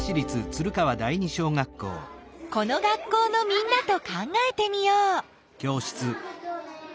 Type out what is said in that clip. この学校のみんなと考えてみよう。